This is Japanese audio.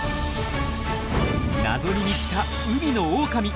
謎に満ちた海のオオカミ。